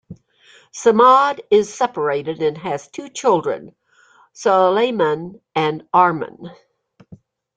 Samad is separated and has two children, Soleiman and Arman.